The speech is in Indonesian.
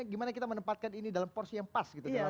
gimana kita menempatkan ini dalam porsi yang pas gitu